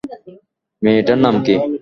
মেয়েটার নাম কী?